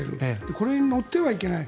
これに乗ってはいけない。